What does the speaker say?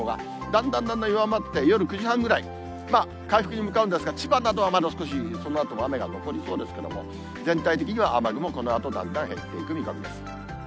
だんだんだんだん弱まって、夜９時半ぐらい、回復に向かうんですが、千葉などはまだ少しそのあとも雨が残りそうですけども、全体的には雨雲、このあとだんだん減っていく見込みです。